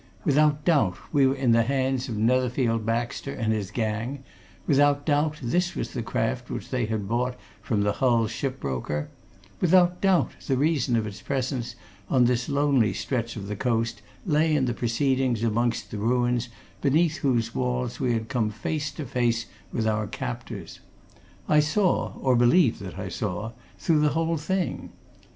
Without doubt we were in the hands of Netherfield Baxter and his gang; without doubt this was the craft which they had bought from the Hull ship broker; without doubt the reason of its presence on this lonely stretch of the coast lay in the proceedings amongst the ruins beneath whose walls we had come face to face with our captors. I saw or believed that I saw through the whole thing.